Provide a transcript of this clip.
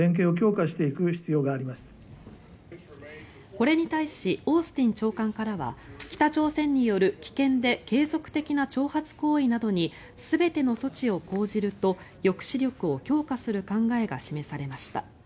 これに対しオースティン長官からは北朝鮮による危険で継続的な挑発行為などに全ての措置を講じると抑止力を強化する考えが示されました。